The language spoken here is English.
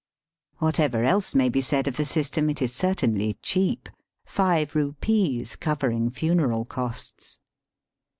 Whatever else may be said of the system, it is^ certainly cheap, five rupees covering funeral costs.